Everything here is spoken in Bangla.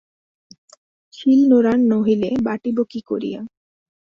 শিল-নোড়া নহিলে বাটিব কী করিয়া?